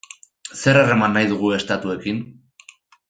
Zer harreman nahi dugu estatuekin?